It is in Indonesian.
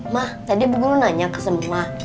ma tadi ibu guru nanya ke semua